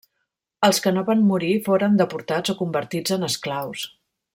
Els que no van morir foren deportats o convertits en esclaus.